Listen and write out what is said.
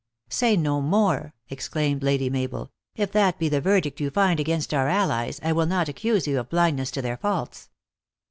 " Say no more," exclaimed Lady Mabel. " If that be the verdict you find against our allies, I will not accuse you of blindness to their faults.